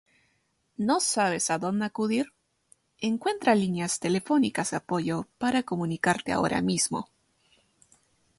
¿No sabes a dónde acudir? Encuentra líneas telefónicas de apoyo para comunicarte ahora mismo.